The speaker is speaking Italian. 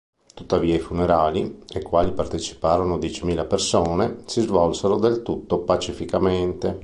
Tuttavia, i funerali, ai quali parteciparono diecimila persone; si svolsero del tutto pacificamente.